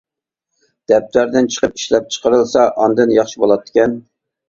دەپتەردىن چىقىپ ئىشلەپچىقىرىلسا ئاندىن ياخشى بولاتتىكەن.